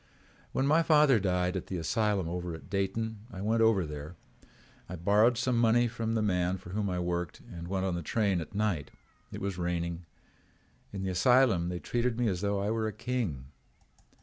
"When my father died at the asylum over at Dayton, I went over there. I borrowed some money from the man for whom I worked and went on the train at night. It was raining. In the asylum they treated me as though I were a king.